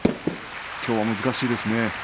きょうは難しいですね。